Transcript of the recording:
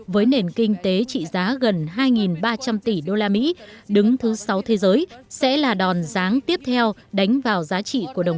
có trị giá gần hai ba trăm linh tỷ usd đứng thứ sáu thế giới sẽ là đòn ráng tiếp theo đánh vào giá trị của đồng